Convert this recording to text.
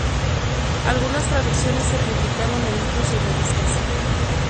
Algunas traducciones se publicaron en libros y revistas.